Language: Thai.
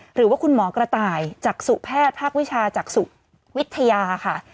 หรือว่าคุณหมอกระต่ายจากสู่แพทย์ภาควิชาจากสุวิทยาค่ะ